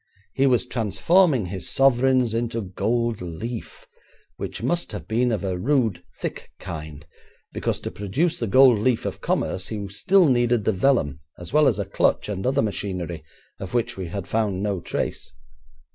He was transforming his sovereigns into gold leaf, which must have been of a rude, thick kind, because to produce the gold leaf of commerce he still needed the vellum as well as a 'clutch' and other machinery, of which we had found no trace.